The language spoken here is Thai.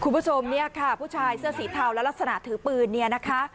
คุณผู้ชมเนี่ยค่ะผู้ชายเสื้อสีเทาและลักษณะถือปืนเนี่ยนะคะ